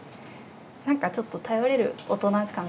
なんかちょっと頼れる大人感。